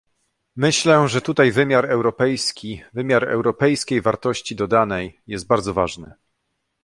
Myślę, że tutaj wymiar europejski, wymiar europejskiej wartości dodanej, jest bardzo wyraźny